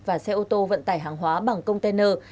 và xe ô tô vận tải hàng hóa bằng container